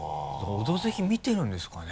「オドぜひ」見てるんですかね？